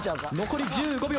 残り１５秒。